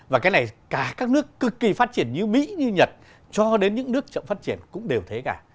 và cái này cả các nước cực kỳ phát triển như mỹ như nhật cho đến những nước chậm phát triển cũng đều thế cả